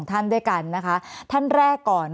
แอนตาซินเยลโรคกระเพาะอาหารท้องอืดจุกเสียดแสบร้อน